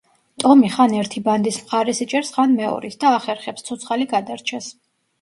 ტომი ხან ერთი ბანდის მხარეს იჭერს, ხან მეორის და ახერხებს, ცოცხალი გადარჩეს.